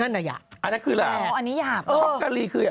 อันนี้ยากครับเออชักกะริคือ